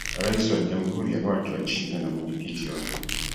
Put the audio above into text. Rais wa Jamhuri ya Watu wa China na mwenyekiti wa